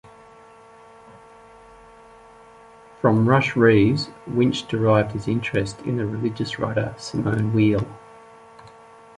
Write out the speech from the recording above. From Rush Rhees, Winch derived his interest in the religious writer Simone Weil.